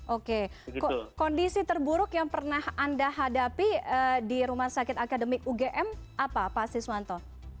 oke kondisi terburuk yang pernah anda hadapi di rumah sakit akademik ugm apa pak siswanto